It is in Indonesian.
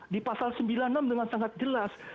di pasal sembilan puluh enam dengan sangat jelas